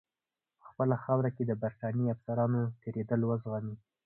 په خپله خاوره کې د برټانیې افسرانو تېرېدل وزغمي.